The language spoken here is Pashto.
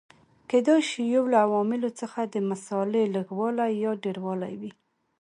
کېدای شي یو له عواملو څخه د مسالې لږوالی یا ډېروالی وي.